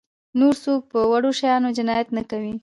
نور څوک په وړو شیانو جنایت نه کوي.